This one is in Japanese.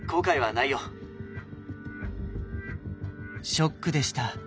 ショックでした。